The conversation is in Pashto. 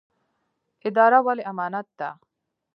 اداره ولې امانت ده؟